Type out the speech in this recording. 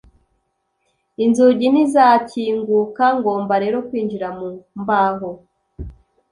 inzugi ntizakinguka, ngomba rero kwinjira mu mbaho